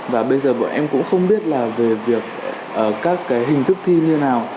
và bây giờ bọn em cũng không biết là về việc các cái hình thức thi như nào